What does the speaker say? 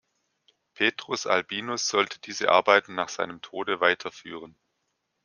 Petrus Albinus sollte diese Arbeiten nach seinem Tode weiterführen.